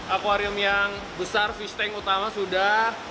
akwarium yang besar fish tank utama sudah